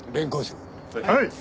はい。